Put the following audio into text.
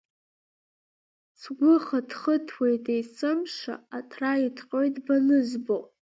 Сгәы хыҭхыҭуеит есымша, аҭра иҭҟьоит банызбо!